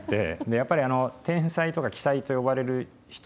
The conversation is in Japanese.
やっぱり天才とか鬼才と呼ばれる人の取材経験